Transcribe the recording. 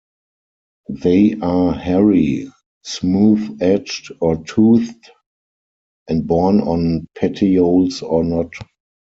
They are hairy, smooth-edged or toothed, and borne on petioles or not.